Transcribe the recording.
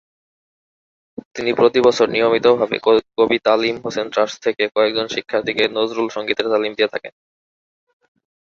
তিনি প্রতি বছর অনিয়মিতভাবে 'কবি তালিম হোসেন ট্রাস্ট' থেকে কয়েকজন শিক্ষার্থীকে নজরুল সঙ্গীতের তালিম দিয়ে থাকেন।